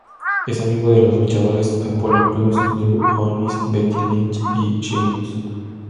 Es amigo de los luchadores Apollo Crews, Dru Onyx, Becky Lynch y Sheamus.